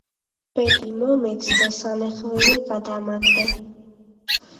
ბედი მომეც და სანეხვეზე გადამაგდე